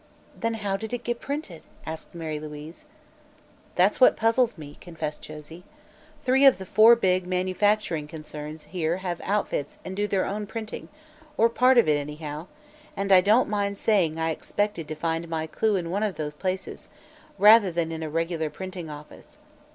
"Then how did it get printed?" asked Mary Louise. "That's what puzzles me," confessed Josie. "Three of the four big manufacturing concerns here have outfits and do their own printing or part of it, anyhow and I don't mind saying I expected to find my clue in one of those places, rather than in a regular printing office.